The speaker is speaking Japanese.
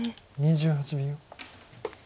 ２８秒。